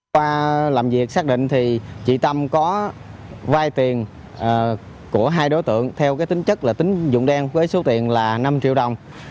qua làm việc xác định thì chị tâm có vai tiền của hai đối tượng theo cái tính chất là tính dụng đen với số tiền là năm triệu đồng